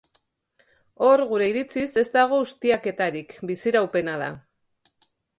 Hor, gure iritziz, ez dago ustiaketarik, biziraupena da.